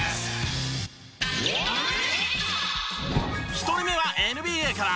１人目はＮＢＡから。